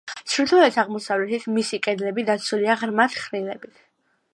ჩრდილოეთ-აღმოსავლეთით მისი კედლები დაცულია ღრმა თხრილებით.